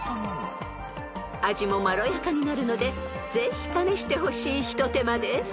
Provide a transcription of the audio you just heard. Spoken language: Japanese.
［味もまろやかになるのでぜひ試してほしい一手間です］